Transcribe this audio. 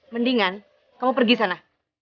mendingan kamu pergi sana